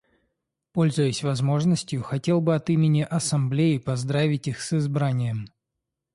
Пользуясь возможностью, хотел бы от имени Ассамблеи поздравить их с избранием.